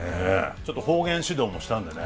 ちょっと方言指導もしたんでね。